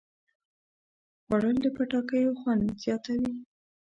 خوړل د پټاکیو خوند زیاتوي